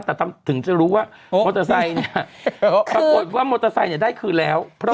แต่ถึงจะรู้ว่ามอเตอร์ไซค์เนี่ยปรากฏว่ามอเตอร์ไซค์เนี่ยได้คืนแล้ว